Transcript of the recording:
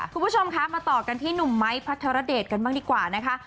คุณผู้ชมคะมาต่อกันที่หนุ่มไม้พัทรเดชกันบ้างดีกว่านะคะ